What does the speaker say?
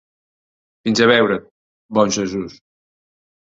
Fins a veure't, bon Jesús.